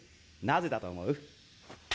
なぜだと思う？